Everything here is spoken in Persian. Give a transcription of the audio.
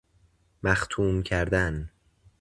مختوم کردن